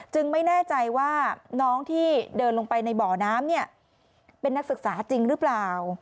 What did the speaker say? ไม่แน่ใจว่าน้องที่เดินลงไปในบ่อน้ำเนี่ยเป็นนักศึกษาจริงหรือเปล่า